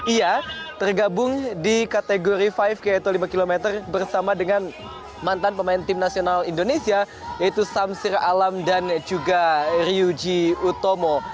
ia tergabung di kategori lima yaitu lima km bersama dengan mantan pemain tim nasional indonesia yaitu samsir alam dan juga ryuji utomo